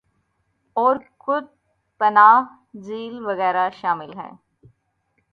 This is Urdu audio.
اور کت پناہ جھیل وغیرہ شامل ہیں